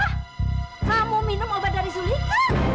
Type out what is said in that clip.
kamu minum obat dari sudikah